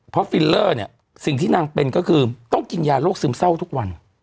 เพราะฟิลเลอร์เนี่ยสิ่งที่นางเป็นก็คือต้องกินยาโรคซึมเศร้าทุกวัน